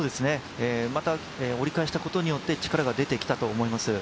また折り返したことによって力が出てきたと思います。